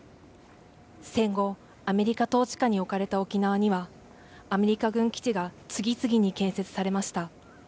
戦後、アメリカ統治下に置かれた沖縄には、アメリカ軍基地が次々に建設されました。